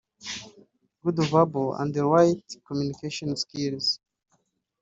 Good verbal and written communication skills